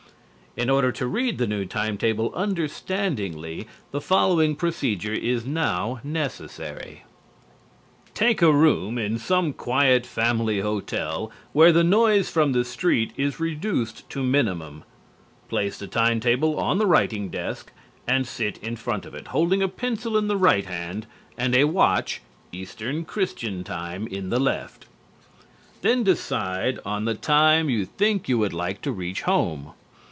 In order to read the new time table understandingly the following procedure is now necessary: Take a room in some quiet family hotel where the noise from the street is reduced to minimum. Place the time table on the writing desk and sit in front of it, holding a pencil in the right hand and a watch (Eastern Christian Time) in the left. Then decide on the time you think you would like to reach home.